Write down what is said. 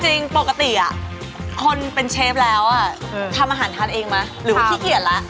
จริงปกติคนเป็นเชฟแล้วทำอาหารทานเองไหมหรือว่าขี้เกียจแล้ว